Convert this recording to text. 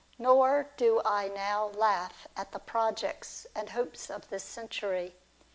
Nor do I now ' laugh at the projects and hopes of this century.